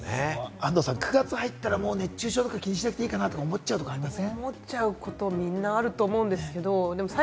安藤さん、９月に入ったら熱中症は気にしなくてもいいかなと思っちゃうことありません？